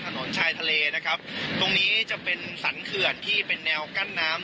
ถนนชายทะเลนะครับตรงนี้จะเป็นสรรเขื่อนที่เป็นแนวกั้นน้ำ